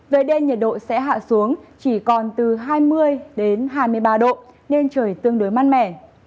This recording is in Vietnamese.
về đêm nhiệt độ sẽ hạ xuống chỉ còn từ hai mươi đến hai mươi ba độ nên trời tương đối mát mẻ